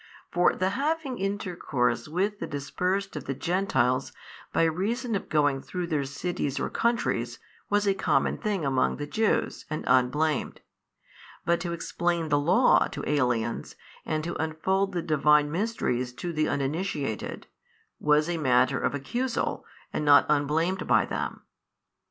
For the having intercourse with the dispersed of the Gentiles by reason of going through their cities or countries, was a common thing among the Jews and unblamed, but to explain the Law to aliens and to unfold the Divine Mysteries to the uninitiated, was a matter of accusal and not unblamed by them.